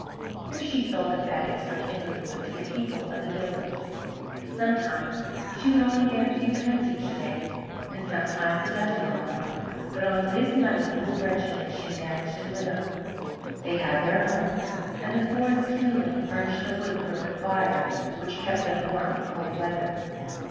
Here she sold the fagots for kindling wood to the people of the village. Sometimes she would get only a few pence each day, and sometimes a dozen or more, but on this money little Gretchen and she managed to live; they had their home, and the forest kindly furnished the wood for the fire which kept them warm in cold weather.